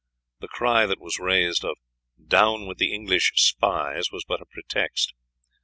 The cry that was raised of 'Down with the English spies!' was but a pretext.